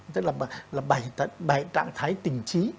tức là bảy trạng thái tình trí